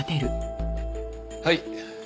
はい。